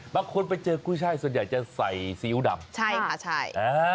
บางคนไปเจอกุ้ยช่ายส่วนใหญ่จะใส่ซีอิ๊วดำใช่ค่ะใช่อ่า